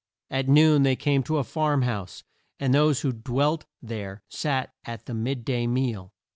At noon they came to a farm house, and those who dwelt there sat at the mid day meal.